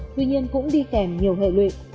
tuy nhiên cũng đi kèm nhiều hệ luyện